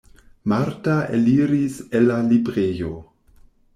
Marta eliris el la librejo.